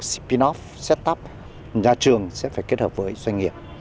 spin off set up nhà trường sẽ phải kết hợp với doanh nghiệp